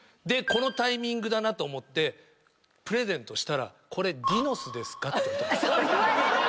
でこのタイミングだなと思ってプレゼントしたら「これ」言われるんだよね！